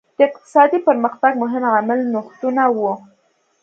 د اقتصادي پرمختګ مهم عامل نوښتونه وو.